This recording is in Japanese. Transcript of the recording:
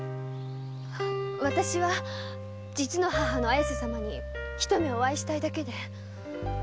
私は実の母の綾瀬様に一目お会いしたいだけで。